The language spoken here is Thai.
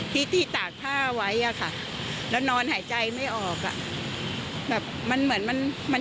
ที่ที่ตากผ้าไว้อะค่ะแล้วนอนหายใจไม่ออกอ่ะแบบมันเหมือนมันมัน